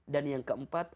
dan yang keempat